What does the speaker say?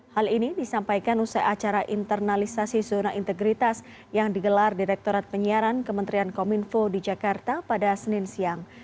hal ini disampaikan usai acara internalisasi zona integritas yang digelar direktorat penyiaran kementerian kominfo di jakarta pada senin siang